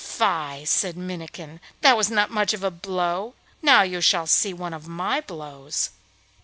'Fie!' said Minnikin. 'That was not much of a blow. Now you shall see one of my blows.